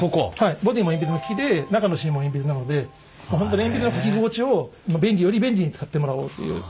ボディーも鉛筆の木で中の芯も鉛筆なので本当に鉛筆の書き心地をより便利に使ってもらおうという。